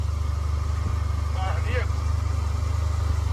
Feṛḥen akk.